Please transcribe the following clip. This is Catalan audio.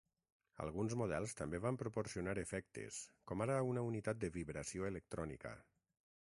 Alguns models també van proporcionar efectes com ara una unitat de vibració electrònica.